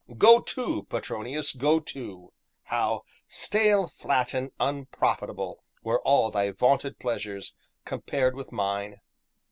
Go to! Petronius, go to! How "stale, flat, and unprofitable" were all thy vaunted pleasures, compared with mine.